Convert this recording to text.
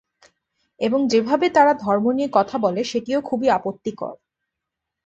এবং যেভাবে তাঁরা ধর্ম নিয়ে কথা বলে সেটিও খুবই আপত্তিকর।